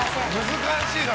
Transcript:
難しいな。